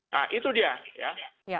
nah itu dia ya